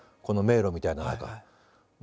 この迷路みたいなのとか。